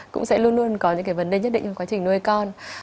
cũng sẽ luôn luôn có những cái vấn đề nhất định trong quá trình nuôi con